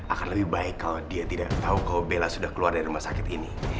akan lebih baik kalau dia tidak tahu kalau bella sudah keluar dari rumah sakit ini